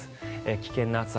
危険な暑さ